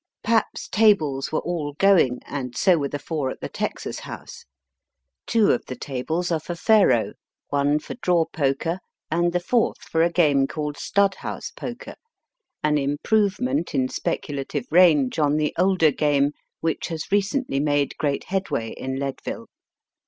Pap's tables were all going, and so were the four at the Texas House. Two of the tables are for faro, one for draw poker, and the fourth for a game called stud house poker, an improvement in speculative range on the older game which has recently made great headway in Leadville.